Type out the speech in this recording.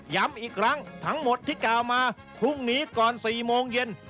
ย้ำอีกครั้งทั้งหมดที่กล่าวมาพรุ่งนี้ก่อน๔โมงเย็น